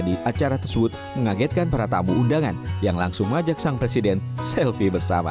di acara tersebut mengagetkan para tamu undangan yang langsung mengajak sang presiden selfie bersama